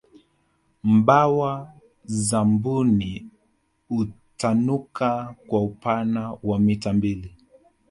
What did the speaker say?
mbawa za mbuni hutanuka kwa upana wa mita mbili